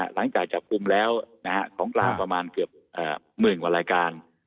หลังจากจับคุมแล้วของกลางประมาณเกือบหมื่นวันรายการ